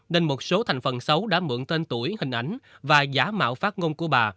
nên một số thành phần xấu đã mượn tên tuổi hình ảnh và giả mạo phát ngôn của bà